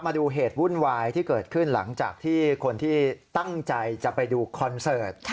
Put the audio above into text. มาดูเหตุวุ่นวายที่เกิดขึ้นหลังจากที่คนที่ตั้งใจจะไปดูคอนเสิร์ต